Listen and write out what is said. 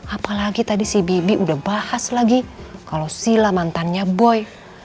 apalagi tadi si bibi udah bahas lagi kalau sila mantannya boy